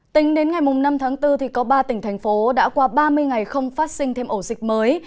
tính đến ngày năm tháng bốn có ba tỉnh thành phố đã qua ba mươi ngày không phát sinh thêm ổ dịch mới